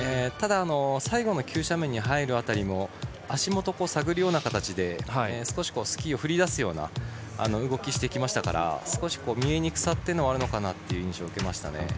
ただ、最後の急斜面に入る辺りも足元、探るような形で少しスキーを振り出すような動きをしてきましたから少し見えにくさあるのかなという印象を受けましたね。